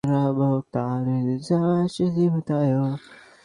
মুজাহিদিনরা কাবুল দখলের আগে তাঁর বাবা নাজিবুল্লাহ ছিলেন আফগানিস্তানের শেষ রাষ্ট্রপতি।